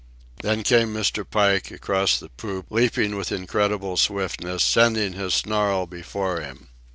Then came Mr. Pike, across the poop, leaping with incredible swiftness, sending his snarl before him.